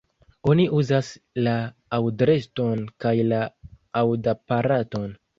Oni uzas la aŭdreston kaj la aŭdaparaton.